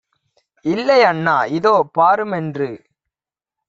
இல்லை அண்ணா இதோ பாருமென்று